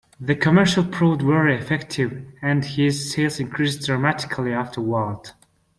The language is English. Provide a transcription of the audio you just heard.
The commercial proved very effective, and his sales increased dramatically afterward.